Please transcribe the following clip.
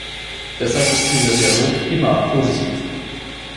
Deshalb ist dieser Dialog immer positiv.